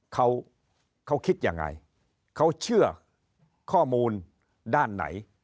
เขาเขาคิดยังไงเขาเชื่อข้อมูลด้านไหน